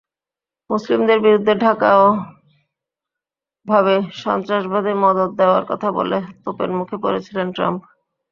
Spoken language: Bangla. মুসলিমদের বিরুদ্ধে ঢাকাও ভাবে সন্ত্রাসবাদে মদদ দেওয়ার কথা বলে তোপের মুখে পড়েছিলেন ট্রাম্প।